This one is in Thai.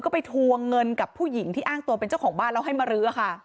ก็ไปทวงเงินกับผู้หญิงที่อ้างตัวเป็นเจ้าของบ้านแล้วให้มารื้อค่ะ